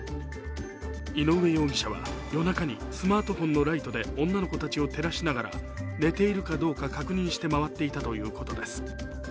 井上容疑者は、夜中にスマートフォンのライトで女の子たちを照らしながら寝ているかどうか確認して回ったということです。